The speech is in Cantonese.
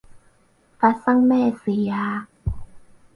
發生咩事啊？